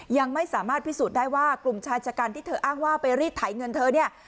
ยังไม่สามารถพิสูจน์ได้ว่ากลุ่มชายชะกันที่เธออ้างว่าไปรีดไถเงินเธอเนี่ย